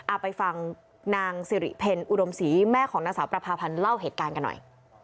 เอาไปฟังนางสิริเพลอุดมศรีแม่ของนางสาวประพาพันธ์เล่าเหตุการณ์กันหน่อย